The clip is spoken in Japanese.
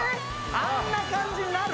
あんな感じになる？